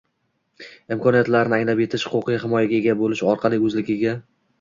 imkoniyatlarini anglab yetish, huquqiy himoyaga ega bo‘lish orqali o‘zligiga